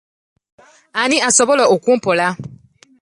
Ani asobola okumpola?